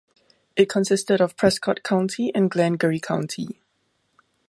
It consisted of Prescott County and Glengarry County.